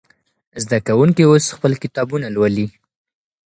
زده کوونکي اوس خپل کتابونه لولي.